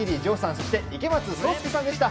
そして、池松壮亮さんでした。